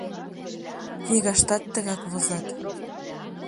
Книгаштат тыгак возат.